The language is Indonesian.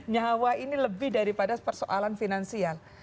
nyawa ini lebih daripada persoalan finansial